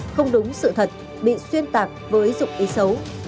không đúng sự thật bị xuyên tạc với dụng ý xấu